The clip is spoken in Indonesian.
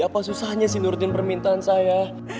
apa susahnya sih nurdin permintaan saya